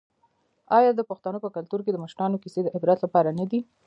آیا د پښتنو په کلتور کې د مشرانو کیسې د عبرت لپاره نه دي؟